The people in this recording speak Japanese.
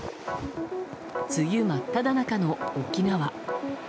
梅雨真っただ中の沖縄。